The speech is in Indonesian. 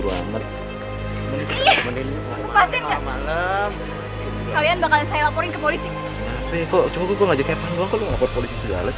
tapi kok cuma gue ngajak evan doang kok lo ngapain polisi segala sih